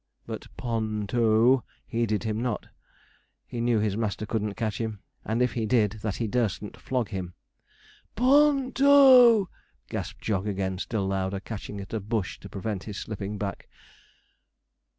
But P o o n to heeded him not. He knew his master couldn't catch him, and if he did, that he durstn't flog him. 'P o o n to!' gasped Jog again, still louder, catching at a bush to prevent his slipping back.